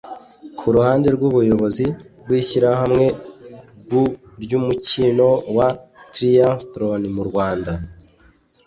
Ku ruhande rw’ubuyobozi bw’Ishyirahamwe ry’Umukino wa Triathlon mu Rwanda